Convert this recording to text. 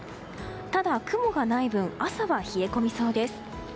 ただ、雲がない分朝は冷え込みそうです。